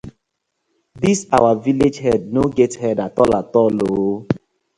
Dis our villag head no get head atoll atoll oo.